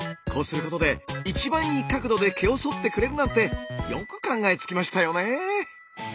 こうすることで一番いい角度で毛をそってくれるなんてよく考えつきましたよね。